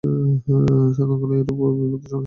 সাধনকলে এইরূপ বিপদের আশঙ্কা আছে।